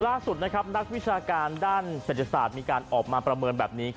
ล่าสุดนักวิชาการด้านเศรษฐศาสตร์มีการออกมาประเมินแบบนี้